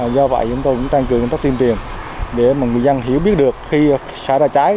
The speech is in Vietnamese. do vậy chúng tôi cũng tăng cường công tác tuyên truyền để người dân hiểu biết được khi xảy ra cháy